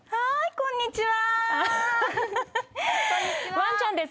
こんにちは。